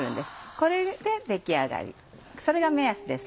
これで出来上がりそれが目安です。